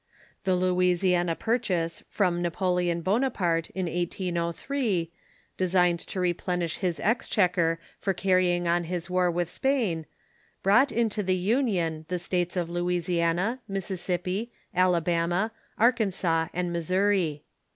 The Louisiana purchase from Napoleon Bonaparte, in 1803, de signed to replenish his exchequer for carrying on his war with Spain, brought into the Union the states of Louisiana, Mis sissippi, Alabama, Arkansas, and Missouri.